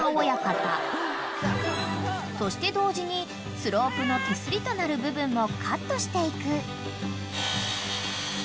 ［そして同時にスロープの手すりとなる部分もカットしていく］